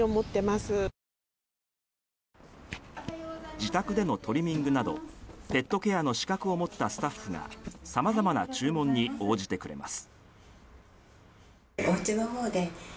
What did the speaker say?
自宅でのトリミングなどペットケアの資格を持ったスタッフが様々な注文に応じてくれます。